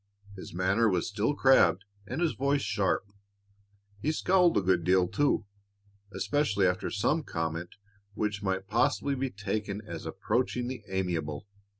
His manner was still crabbed and his voice sharp. He scowled a good deal, too, especially after some comment which might possibly be taken as approaching the amiable.